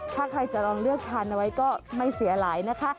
ถ้าใครจะลองเลือกทานเอาไว้ก็ไม่เสียหลายนะคะ